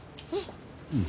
うん。